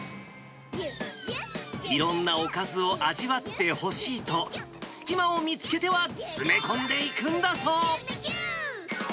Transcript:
いろんなおかずを味わってほしいと、隙間を見つけては詰め込んでいくんだそう。